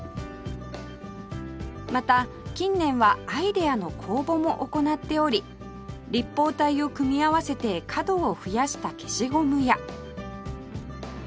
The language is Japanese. また近年はアイデアの公募も行っており立方体を組み合わせて角を増やした消しゴムや